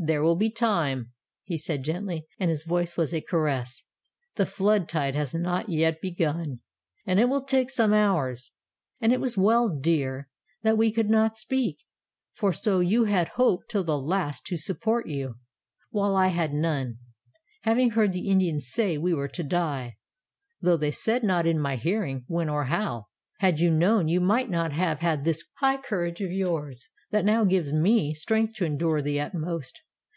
"There will be time," he said gently, and his voice was a caress. "The flood tide has not yet begun, and it will take some hours. And it was well, dear, that we could not speak; for so you had hope till the last to support you, while I had none, having heard the Indians say we were to die, though they said not in my hearing when or how. Had you known you might not have had this high courage of yours, that now gives me strength to endure the utmost.